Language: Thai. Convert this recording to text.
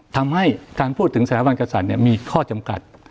ทำให้การพูดถึงสถาบันกษัตริย์มีข้อจำกัด